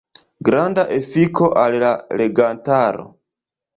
Granda efiko al la legantaro.